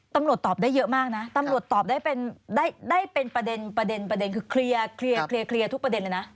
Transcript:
ตำรวจตอบได้เยอะมากนะตำรวจตอบได้เป็นประเด็นประเด็นคือเคลียร์ทุกประเด็นเลยนะ